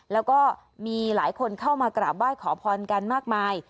แล้วก็มีหลายคนเข้ามากราบไหว้ขอพรกันมากมาย